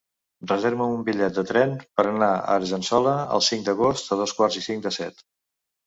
Reserva'm un bitllet de tren per anar a Argençola el cinc d'agost a dos quarts i cinc de set.